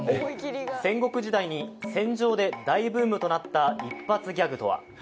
戦国時代に戦場で大ブームとなった一発ギャグとは？